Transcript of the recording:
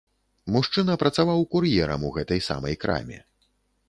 Мужчына працаваў кур'ерам у гэтай самай краме.